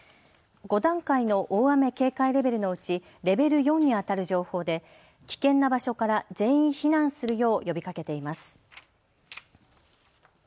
５段階の大雨警戒レベルのうちレベル４にあたる情報で危険な場所から全員避難するよう呼びかけています。